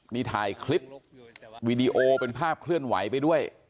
มีถ่ายคลิปวีดีโอเป็นภาพเคลื่อนไหวไปด้วย